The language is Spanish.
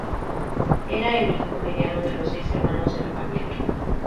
Era el hijo mediano de los seis hermanos de la familia.